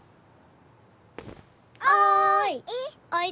おい！